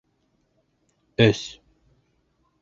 Өс.